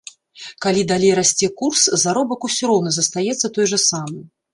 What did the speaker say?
Калі далей расце курс, заробак усё роўна застаецца той жа самы.